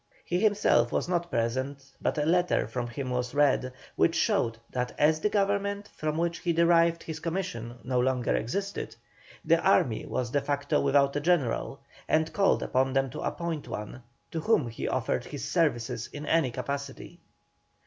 He himself was not present, but a letter from him was read, which showed that as the Government from which he derived his commission no longer existed, the army was de facto without a General, and called upon them to appoint one, to whom he offered his services in any capacity.